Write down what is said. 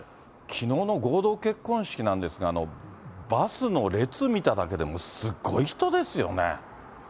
きのうの合同結婚式なんですが、バスの列見ただけでもすごい人ですよね。